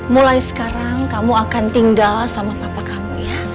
mulai sekarang kamu akan tinggal sama papa kamu